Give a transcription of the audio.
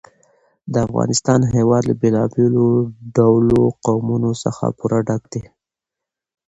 د افغانستان هېواد له بېلابېلو ډولو قومونه څخه پوره ډک دی.